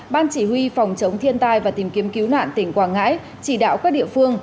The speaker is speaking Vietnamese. ban chỉ huy phòng chống thiên tai và tìm kiếm cứu nạn tỉnh quảng ngãi chỉ đạo các địa phương